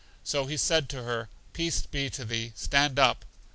So He said to her, Peace be to thee; stand up.